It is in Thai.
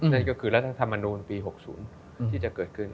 นั่นก็คือรัฐธรรมนูลปี๖๐ที่จะเกิดขึ้น